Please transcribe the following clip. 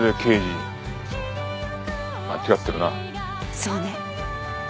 そうね。